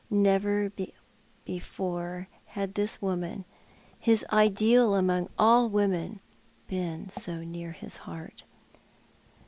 Never before had this woman — his ideal among all women — been so near his heart.